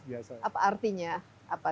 biasanya apa artinya apa